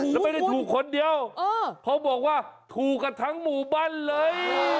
แล้วไม่ได้ถูกคนเดียวเขาบอกว่าถูกกันทั้งหมู่บ้านเลย